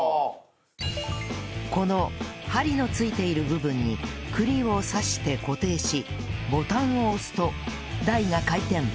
この針のついている部分に栗を刺して固定しボタンを押すと台が回転